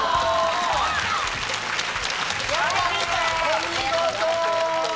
お見事！